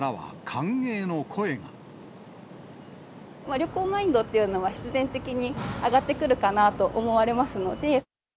旅行マインドっていうのは、必然的に上がってくるかなと思われますので。